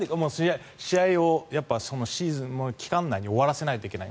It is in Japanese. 試合をシーズン期間内に終わらせないといけない。